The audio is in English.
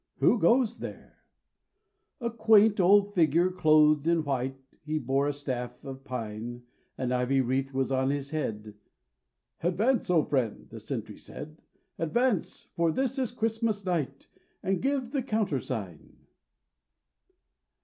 Who goes there? A quaint old figure clothed in white, He bore a staff of pine, An ivy wreath was on his head. 'Advance, oh friend,' the sentry said, Advance, for this is Christmas night, And give the countersign.'